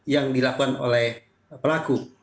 yang dilakukan oleh pelaku